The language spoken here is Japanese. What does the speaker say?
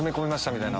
みたいな。